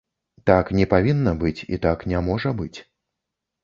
Так не павінна быць, і так не можа быць.